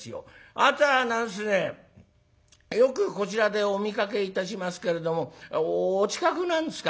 「あなたは何ですねよくこちらでお見かけいたしますけれどもお近くなんですか？」。